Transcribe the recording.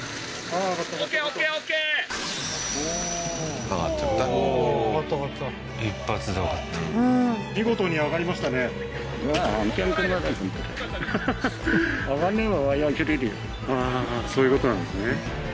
ああーそういうことなんですね